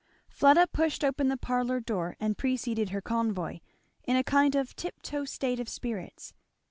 Fleda pushed open the parlour door and preceded her convoy, in a kind of tip toe state of spirits.